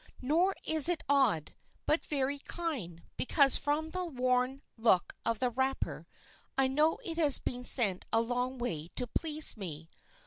Nor is it odd, but very kind, because from the worn look of the wrapper I know it has been sent a long way to please me.